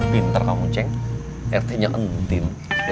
pintar kamu ceng rt nya entin